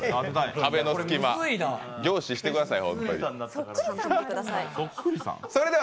壁の隙間、凝視してくださいよ。